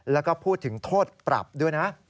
แล้วก็พูดถึงโทษปรับด้วยนะ